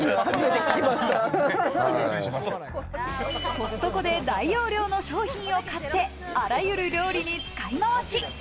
コストコで大容量の商品を買って、あらゆる料理に使いまわし。